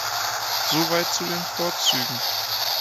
Soweit zu den Vorzügen.